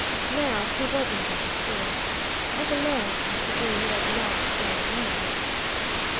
Now he was in better spirits, as a man ought to be who has knocked down a man.